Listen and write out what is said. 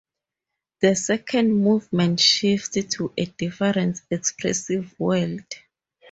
The second movement shifts to a different expressive world.